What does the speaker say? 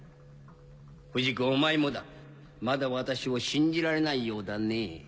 不二子お前もだまだ私を信じられないようだね。